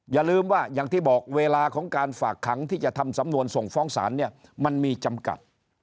อย่าลืมว่าอย่างที่บอกเวลาของการฝากขังที่จะทำสำนวนส่งฟ้องศาลเนี่ยมันมีจำกัด